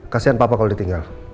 kasian papa kalau ditinggal